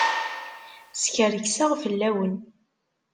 Skerkseɣ fell-awen.